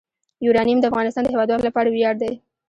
یورانیم د افغانستان د هیوادوالو لپاره ویاړ دی.